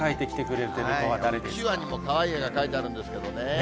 うちわにもかわいい絵が描いてあるんですけどね。